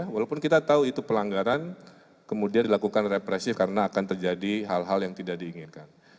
walaupun kita tahu itu pelanggaran kemudian dilakukan represif karena akan terjadi hal hal yang tidak diinginkan